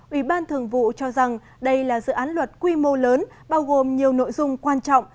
ủy ban thường vụ cho rằng đây là dự án luật quy mô lớn bao gồm nhiều nội dung quan trọng